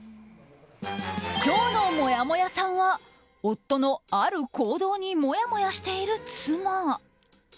今日のもやもやさんは夫のある行動にもやもやしている妻。